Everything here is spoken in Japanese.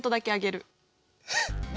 何？